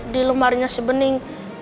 di lemarinya si bening